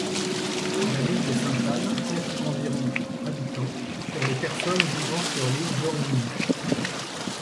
La ville de Sainte-Anne compte environ habitants sur les personnes vivant sur l'île d'Aurigny.